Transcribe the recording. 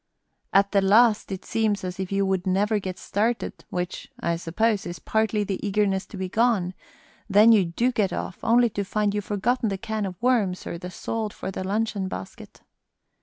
At the last it seems as if you would never get started, which, I suppose, is partly the eagerness to be gone; then you do get off, only to find you've forgot the can of worms or the salt for the luncheon basket.